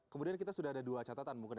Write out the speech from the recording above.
kemudian kita sudah ada dua catatan mungkin